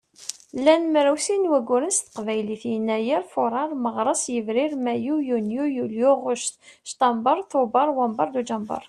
Llan mraw sin n wagguren s teqbaylit: Yennayer, Fuṛar, Meɣres, Yebrir, Mayyu, Yunyu, Yulyu, Ɣuct, Ctamber, Tuber, Wamber, Dujember.